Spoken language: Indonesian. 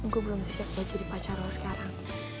gue belum siap jadi pacar lo sekarang